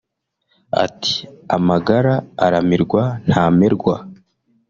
Ati “Amagara aramirwa ntamerwa